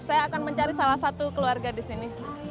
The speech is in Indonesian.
saya akan mencari salah satu keluarga di sini